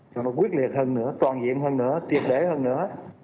cho nó quyết liệt hơn nữa toàn diện hơn nữa tiệt đế hơn nữa